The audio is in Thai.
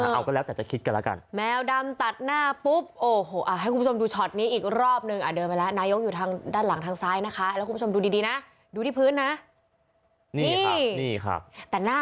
อย่างนี้นะฮะเอาก็แล้วแต่จะคิดกันแล้วกัน